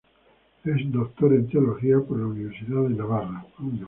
Es doctor en Teología por la Universidad de Navarra.